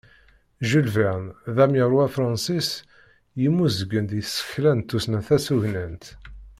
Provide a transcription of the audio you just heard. Jules Verne d amyaru afransis yemmuzgen deg tsekla n tussna tasugnant.